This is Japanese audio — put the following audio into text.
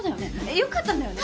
良かったんだよね？